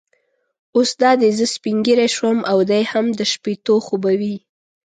اوس دا دی زه سپینږیری شوم او دی هم د شپېتو خو به وي.